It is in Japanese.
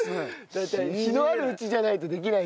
大体日のあるうちじゃないとできないし。